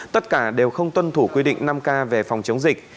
tất cả đều không tuân thủ quy định năm k về phòng chống dịch